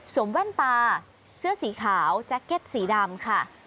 แว่นตาเสื้อสีขาวแจ็คเก็ตสีดำค่ะ